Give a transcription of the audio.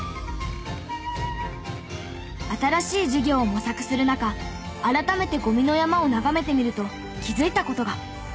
新しい事業を模索する中改めてゴミの山を眺めてみると気づいた事が。